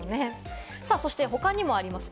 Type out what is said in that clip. そして他にもあります